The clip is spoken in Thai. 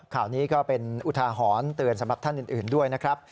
ข่าวนี้ก็เป็นอุทาหรณ์เตือนสำหรับท่านอื่นด้วยนะครับ